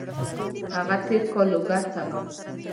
هغه تېر کال لوګر ته لاړ.